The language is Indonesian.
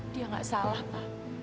dia gak salah pa